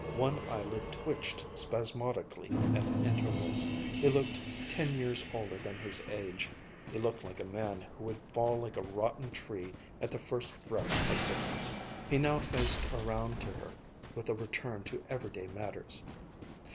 One eyelid twitched spasmodically at intervals. He looked ten years older than his age. He looked like a man who would fall like a rotten tree at the first breath of sickness. He now faced around to her with a return to everyday matters.